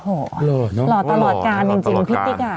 โหหลอตลอดการจริงจริงพี่ติ๊กอ่ะ